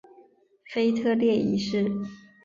腓特烈一世。